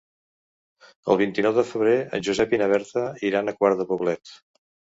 El vint-i-nou de febrer en Josep i na Berta iran a Quart de Poblet.